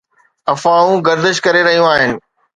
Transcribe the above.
افواهون گردش ڪري رهيون آهن